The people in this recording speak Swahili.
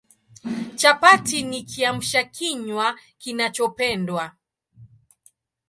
Chapati ni Kiamsha kinywa kinachopendwa